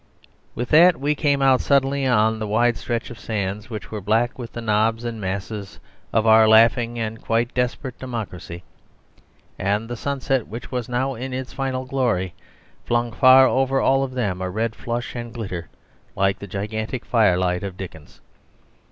'" With that we came out suddenly on the wide stretch of the sands, which were black with the knobs and masses of our laughing and quite desperate democracy. And the sunset, which was now in its final glory, flung far over all of them a red flush and glitter like the gigantic firelight of Dickens.